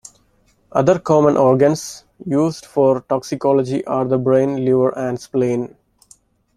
Other common organs used for toxicology are the brain, liver, and spleen.